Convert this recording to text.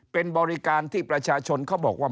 เป็นบริการที่ประชาชนเขาบอกว่า